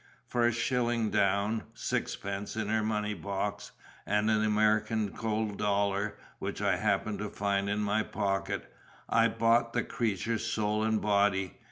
For a shilling down, sixpence in her money box, and an American gold dollar which I happened to find in my pocket, I bought the creature soul and body.